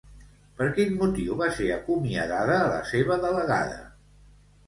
Per quin motiu va ser acomiadada la seva delegada?